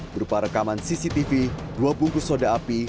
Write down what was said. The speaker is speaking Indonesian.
berupa rekaman cctv dua bungkus soda api